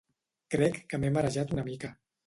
Crec que m'he marejat una mica.